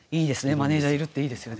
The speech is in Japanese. マネージャーいるっていいですよね。